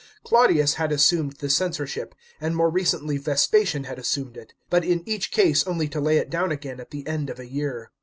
Claudius had assumed the censorship, and more recently Vespasian had assumed it, but in each case only to lay it down again at the end of a year.